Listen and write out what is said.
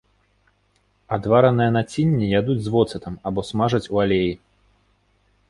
Адваранае націнне ядуць з воцатам, або смажаць у алеі.